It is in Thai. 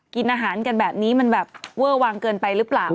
กินอาหารกันแบบนี้มันแบบเวอร์วางเกินไปหรือเปล่า